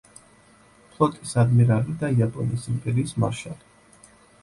ფლოტის ადმირალი და იაპონიის იმპერიის მარშალი.